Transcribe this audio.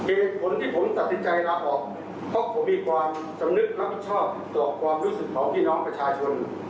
เหตุผลที่ผมตัดสินใจลาออกเพราะผมมีความสำนึกรับผิดชอบต่อความรู้สึกของพี่น้องประชาชน